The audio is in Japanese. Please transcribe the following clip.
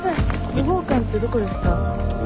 ５号館ってどこですか？